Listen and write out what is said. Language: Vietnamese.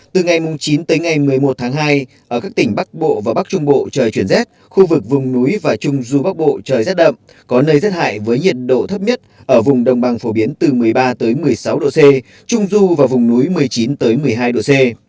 từ ngày chín tới ngày một mươi một tháng hai ở các tỉnh bắc bộ và bắc trung bộ trời chuyển rét khu vực vùng núi và trung du bắc bộ trời rét đậm có nơi rét hại với nhiệt độ thấp nhất ở vùng đồng bằng phổ biến từ một mươi ba một mươi sáu độ c trung du và vùng núi một mươi chín một mươi hai độ c